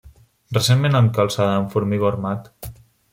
Recentment encalçada amb formigó armat.